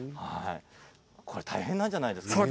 大変なんじゃないですか？